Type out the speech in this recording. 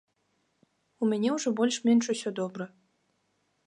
У мяне ўжо больш-менш усё добра.